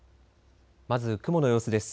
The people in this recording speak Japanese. まず雲の様子です。